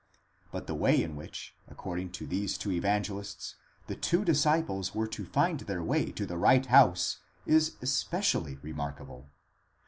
But the way in which, according to these two Evangelists, the two disciples were to find their way to the right house, is especially remarkable.